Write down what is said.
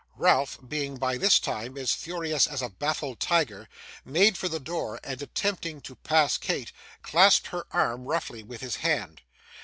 Ralph being, by this time, as furious as a baffled tiger, made for the door, and, attempting to pass Kate, clasped her arm roughly with his hand.